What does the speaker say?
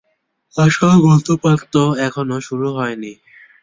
আসল মদ্যপান তো এখনও শুরুই হয়নি।